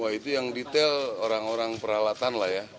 wah itu yang detail orang orang peralatan lah ya